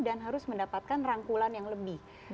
dan harus mendapatkan rangkulan yang lebih